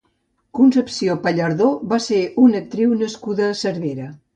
Concepció Pallardó va ser una actriu nascuda a Cervera.